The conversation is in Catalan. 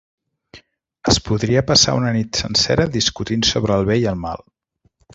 Es podria passar una nit sencera discutint sobre el bé i el mal.